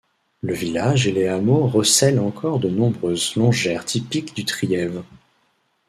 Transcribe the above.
Le village et les hameaux recèlent encore de nombreuses longères typiques du Trièves.